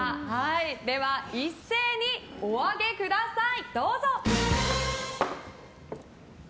では、一斉にお上げください。